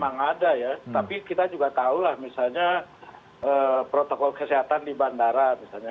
memang ada ya tapi kita juga tahu lah misalnya protokol kesehatan di bandara misalnya